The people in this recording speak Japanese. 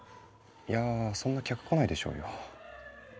いやそんな客来ないでしょうよ。